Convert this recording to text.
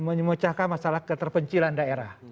memecahkan masalah keterpencilan daerah